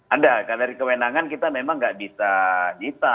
ada karena dari kewenangan kita memang nggak bisa jita